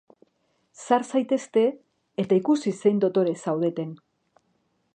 Sar zaitezte, eta ikusi zein dotore zaudeten!